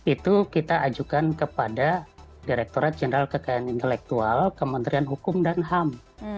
itu kita ajukan kepada direkturat jenderal kekayaan intelektual kementerian hukum dan ham